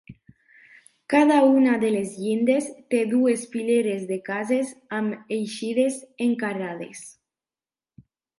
Cada una de les llindes té dues fileres de cases amb eixides encarades.